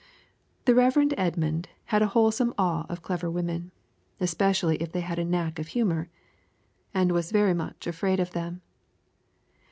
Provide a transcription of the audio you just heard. The Rev. Edmund had a wholesome awe of clever women, especially if they had a knack of humor, and was very much afraid of them.